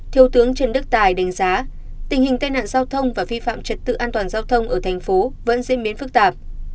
thiếu tướng trần đức tài đánh giá tình hình tai nạn giao thông và vi phạm trật tự an toàn giao thông ở thành phố vẫn diễn biến phức tạp